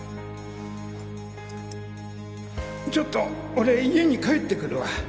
ちょっと俺家に帰ってくるわ。